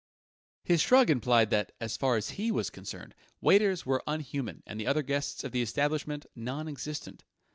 His shrug implied that, as far as he was concerned, waiters were unhuman and the other guests of the establishment non existent.